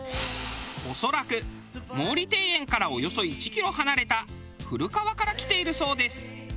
恐らく毛利庭園からおよそ１キロ離れた古川から来ているそうです。